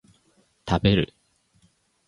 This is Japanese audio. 食べる